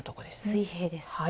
水平です。